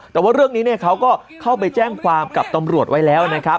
แต่ว่าเรื่องนี้เขาก็เข้าไปแจ้งความกับตำรวจไว้แล้วนะครับ